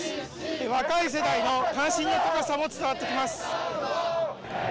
若い世代の関心の高さも伝わってきます。